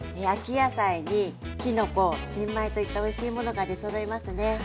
野菜にきのこ新米といったおいしいものが出そろいますね。